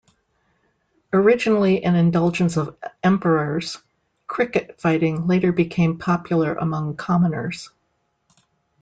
Originally an indulgence of emperors, cricket fighting later became popular among commoners.